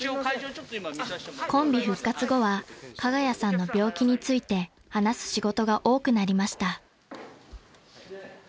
［コンビ復活後は加賀谷さんの病気について話す仕事が多くなりました］